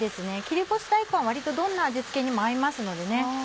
切り干し大根は割とどんな味付けにも合いますのでね。